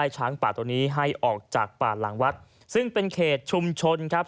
จากป่าหลังวัดซึ่งเป็นเขตชุมชนครับ